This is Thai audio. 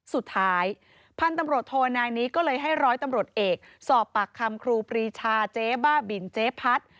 สุดท้ายพันธุ์ตำรวจโทนายนี้ก็เลยให้ร้อยตำรวจเอกสอบปากคำครูปรีชาเจ๊บ้าบินเจ๊พัด